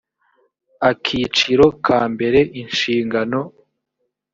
akiciro ka mbere inshingano